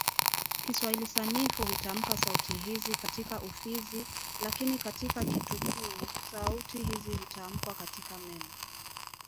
Kiswahili Sanifu hutamka sauti hizi katika ufizi lakini katika Kitikuu sauti hizi hutamkiwa katika meno